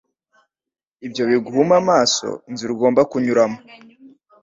Ibyo biguhuma amaso inzira ugomba kunyuramo.